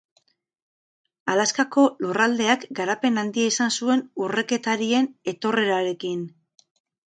Alaskako lurraldeak garapen handia izan zuen urreketarien etorrerarekin.